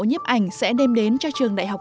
nhiếp ảnh sẽ đem đến cho trường đại học